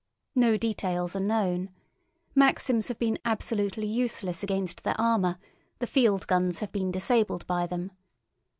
No details are known. Maxims have been absolutely useless against their armour; the field guns have been disabled by them.